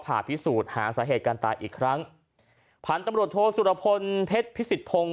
ผ่าพิสูจน์หาสาเหตุการตายอีกครั้งพันธุ์ตำรวจโทสุรพลเพชรพิสิทธพงศ์